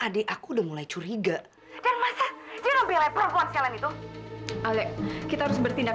dan cewek cewek yang seksis